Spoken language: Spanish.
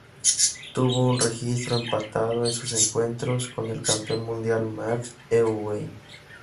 Tuvo un registro empatado en sus encuentros con el campeón mundial Max Euwe.